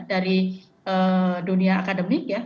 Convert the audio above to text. dari dunia akademik ya